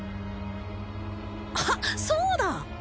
あはっそうだ